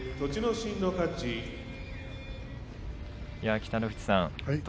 北の富士さん、栃